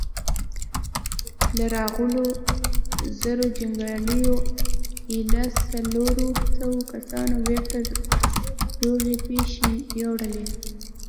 له راغلو زرو جنګياليو ايله څلورو سوو کسانو بېرته روغي پښې يووړې.